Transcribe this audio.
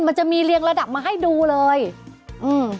มันจะมีเรียงระดับมาให้ดูเลยอืม